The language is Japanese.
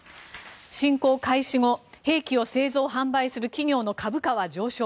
侵攻開始後兵器を製造・販売する企業の株価は上昇。